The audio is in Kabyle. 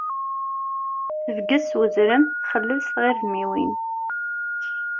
Tebges s uzrem, txellel s tɣirdmiwin.